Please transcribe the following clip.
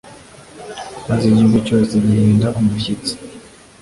Maze igihugu cyose gihinda umushyitsi